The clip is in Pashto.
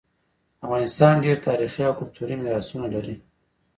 افغانستان ډیر تاریخي او کلتوری میراثونه لري